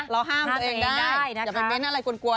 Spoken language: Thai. เราห้ามตัวเองได้อย่าไปเม้นอะไรกวนอ่ะเขา